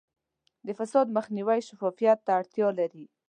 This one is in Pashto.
د فساد مخنیوی شفافیت ته اړتیا لري.